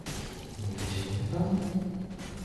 Nie widział mnie pan?